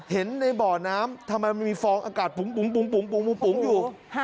เห็นในบ่อน้ำทำไมมันมีฟองอากาศปุ๋งอยู่